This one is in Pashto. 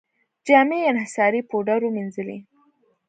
جامې یې انحصاري پوډرو مینځلې.